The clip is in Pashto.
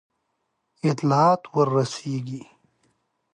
اطلاعات ورسیږي.